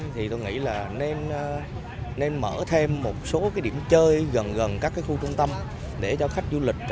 thì tôi nghĩ là nên mở thêm một số điểm chơi gần gần các khu trung tâm để cho khách du lịch